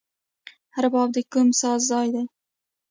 رباب د کوم ځای ساز دی؟